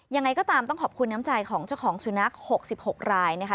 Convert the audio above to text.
ยังไงก็ตามต้องขอบคุณน้ำใจของเจ้าของสุนัข๖๖รายนะคะ